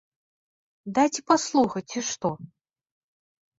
Дайце паслухаць, ці што.